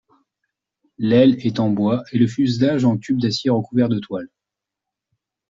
L'aile est en bois, et le fuselage en tubes d'acier recouverts de toile.